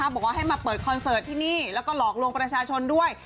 บอกว่าให้มาเปิดคอนเสิร์ตที่นี่แล้วก็หลอกลวงประชาชนด้วย